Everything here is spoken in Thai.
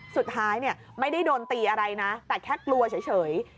สุดท้ายไม่ได้โดนตีอะไรนะแต่แค่กลัวเฉย